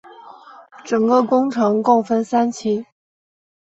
整个工程共分三期。